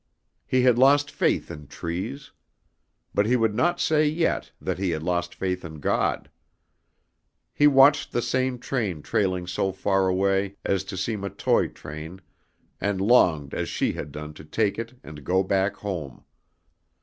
He had lost faith in trees. But he would not say yet that he had lost faith in God. He watched the same train trailing so far away as to seem a toy train and longed as she had done to take it and go back home.